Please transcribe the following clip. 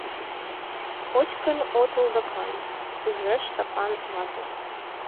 Кочкын отыл докан, — ӱжеш Сапан вате.